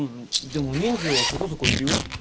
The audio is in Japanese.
でも人数はそこそこいるよ。